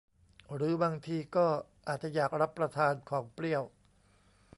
หรือบางทีก็อาจจะอยากรับประทานของเปรี้ยว